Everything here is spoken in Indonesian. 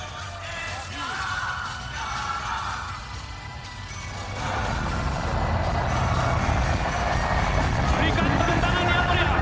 berikan petunjukanan yang meriah